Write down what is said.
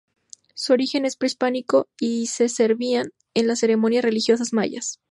Su origen es prehispánico y se servían en las ceremonias religiosas mayas.